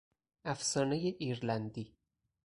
افسانهی ایرلندی